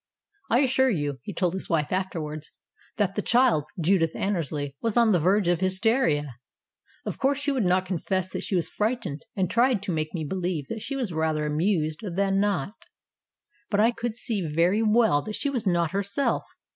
"I assure you," he told his wife afterwards, "that the child, Judith Annersley, was on the verge of hysteria. Of course she would not confess that she was frightened, and tried to make me believe that she was rather amused than not, but I could see very well that she was not herself.